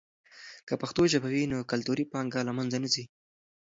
که پښتو ژبه وي، نو کلتوري پانګه له منځه نه ځي.